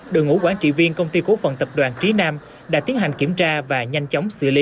đội ngũ quản trị viên công ty cố phần tập đoàn trí nam đã tiến hành kiểm tra và nhanh chóng xử lý